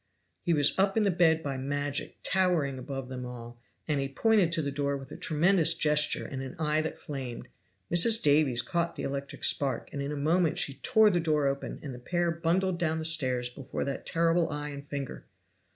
He was up in the bed by magic, towering above them all, and he pointed to the door with a tremendous gesture and an eye that flamed. Mrs. Davies caught the electric spark, in a moment she tore the door open, and the pair bundled down the stairs before that terrible eye and finger.